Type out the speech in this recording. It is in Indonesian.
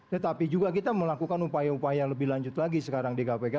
tetapi juga kita melakukan upaya upaya lebih lanjut lagi sekarang di kpk